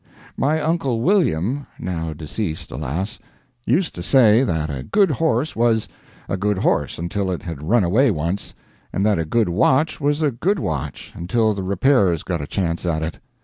My uncle William (now deceased, alas!) used to say that a good horse was, a good horse until it had run away once, and that a good watch was a good watch until the repairers got a chance at it.